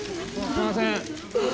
すいません！